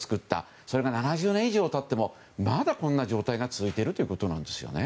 それが７０年以上経ってもまだこんな状態が続いているということなんですよね。